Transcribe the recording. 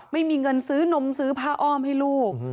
ไม่มีเงินซื้อนมซื้อผ้าอ้อมให้ลูก